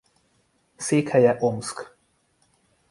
Székhelye Omszk.